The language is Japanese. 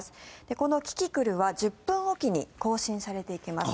このキキクルは１０分おきに更新されていきます。